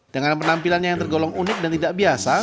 dengan penampilannya yang tergolong unik dan tidak biasa